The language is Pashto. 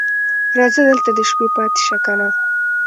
راځه دلته د شپې پاتې شه کنه